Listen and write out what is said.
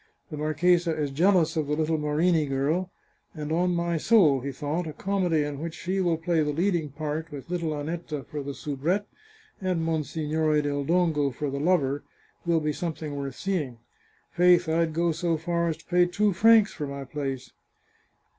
" The marchesa is jealous of the little Marini girl, and on my soul," he thought, " a comedy in which she will play the leading part, with little Annetta for the soubrette, and Monsignore del Dongo for the lover, will be something worth seeing. Faith, I'd go so far as to pay two francs for my place."